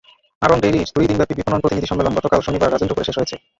আড়ং ডেইরির দুই দিনব্যাপী বিপণন প্রতিনিধি সম্মেলন গতকাল শনিবার রাজেন্দ্রপুরে শেষ হয়েছে।